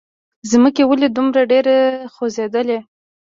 ځمکې! ولې دومره ډېره خوځېدلې؟